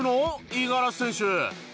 五十嵐選手。